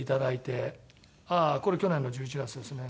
ああこれ去年の１１月ですね。